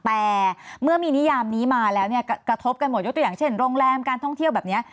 แต่เมื่อมีนิยามนี้มาแล้วเนี่ยกระทบกันหมดยกตัวอย่างเช่นโรงแรมการท่องเที่ยวแบบนี้